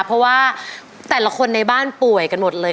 เพราะว่าแต่ละคนในบ้านป่วยกันหมดเลย